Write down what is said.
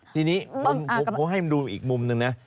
เพราะให้ดูอีกมุมหนึ่งนะ